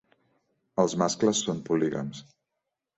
Els mascles són polígams.